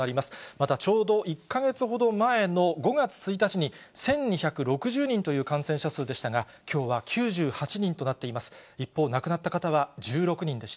またちょうど１か月ほど前の５月１日に、１２６０人という感染者数でしたが、きょうは９８人となっています。